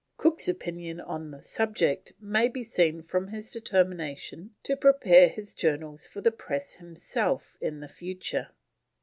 Cook's opinion on the subject may be seen from his determination to prepare his Journals for the press himself in the future.